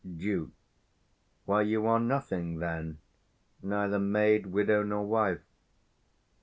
Duke. Why, you are nothing, then: neither maid, widow, nor wife?